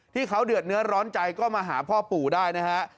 ที่เขาเดือดเนื้อร้อนใจก็มาหาพ่อปู่ได้นะฮะ